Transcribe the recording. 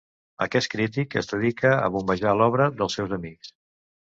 Aquest crític es dedica a bombejar l'obra dels seus amics.